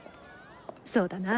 そうだな。